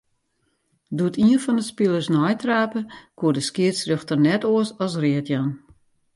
Doe't ien fan 'e spilers neitrape, koe de skiedsrjochter net oars as read jaan.